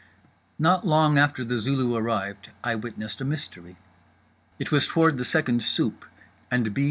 Not long after The Zulu arrived I witnessed a mystery: it was toward the second soupe, and B.